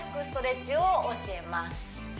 ストレッチを教えます